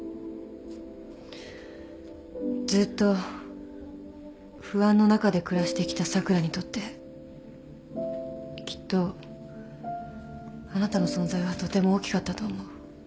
ずっと不安の中で暮らしてきた咲良にとってきっとあなたの存在はとても大きかったと思う。